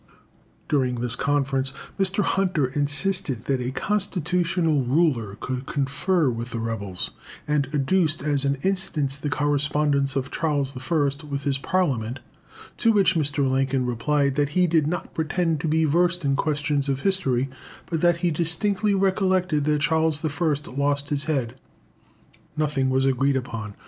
During this conference, Mr. Hunter insisted that a constitutional ruler could confer with rebels, and adduced as an instance the correspondence of Charles I. with his Parliament. To which Mr. Lincoln replied that he did not pretend to be versed in questions of history, but that he distinctly recollected that Charles I. lost his head. Nothing was agreed upon.